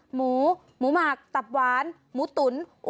หมูหมูหมักตับหวานหมูตุ๋น